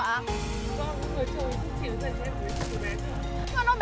nhưng mà chị để ra ở chú chú em